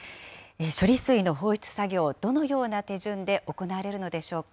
処理水の放出作業、どのような手順で行われるのでしょうか。